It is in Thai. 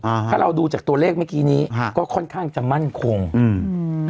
อ่าถ้าเราดูจากตัวเลขเมื่อกี้นี้ฮะก็ค่อนข้างจะมั่นคงอืมอืม